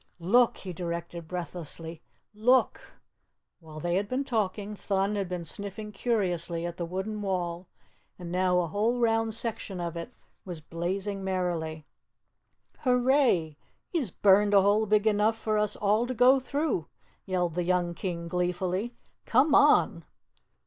"Look!" he directed breathlessly. "Look!" While they had been talking, Thun had been sniffing curiously at the wooden wall and now a whole round section of it was blazing merrily. "Hurray! He's burned a hole big enough for us all to go through," yelled the young King gleefully. "Come ON!"